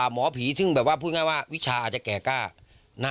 หมอผีซึ่งแบบว่าพูดง่ายว่าวิชาอาจจะแก่กล้า